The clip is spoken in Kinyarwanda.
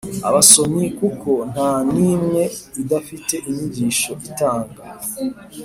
abasomyi, kuko nta n’imwe idafite inyigisho itanga